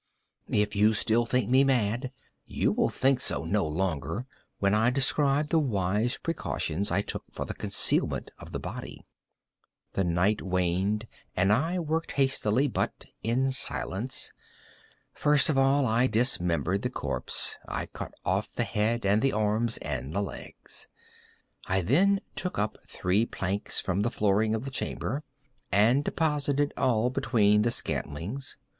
If still you think me mad, you will think so no longer when I describe the wise precautions I took for the concealment of the body. The night waned, and I worked hastily, but in silence. First of all I dismembered the corpse. I cut off the head and the arms and the legs. I then took up three planks from the flooring of the chamber, and deposited all between the scantlings.